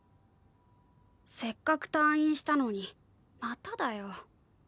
せっかく退院したのにまただよ。